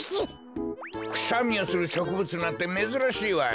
くしゃみをするしょくぶつなんてめずらしいわい。